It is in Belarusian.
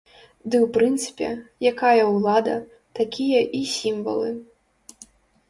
Ды ў прынцыпе, якая ўлада, такія і сімвалы.